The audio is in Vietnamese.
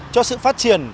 cho sự phát triển